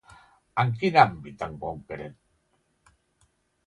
En quin àmbit en concret?